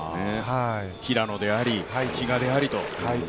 平野であり、比嘉であり、と。